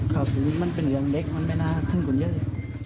ขอบคุณมันเป็นอย่างเล็กมันไม่น่าขึ้นกว่าเยอะเลย